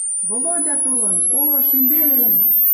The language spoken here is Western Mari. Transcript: «Володя толын!» — «О, шӱмбелем!..»